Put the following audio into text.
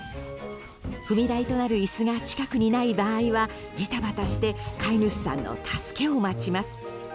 踏み台となる椅子が近くにない場合はジタバタして飼い主さんの助けを待ちます。